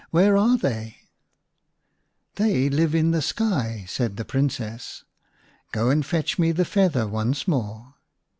" Where are they ?"" They live in the sky," said the Princess. " Go and fetch me the feather once more."